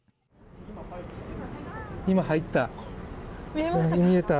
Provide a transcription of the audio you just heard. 今、入った。